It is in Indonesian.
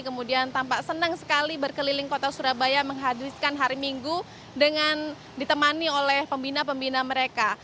kemudian tampak senang sekali berkeliling kota surabaya menghadirkan hari minggu dengan ditemani oleh pembina pembina mereka